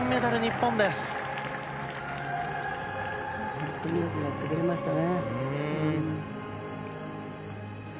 本当によくやってくれましたね。